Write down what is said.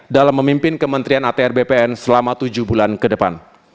dalam memimpin kementerian atr bpn selama tujuh bulan ke depan